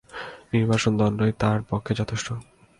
নির্বাসন দণ্ডই তোমার পক্ষে যথেষ্ট।